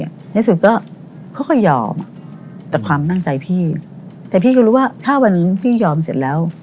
ในสุดก็ค่อยค่อยยอมแต่ความตั้งใจพี่แต่พี่ก็รู้ว่าถ้าวันพี่ยอมเสร็จแล้ว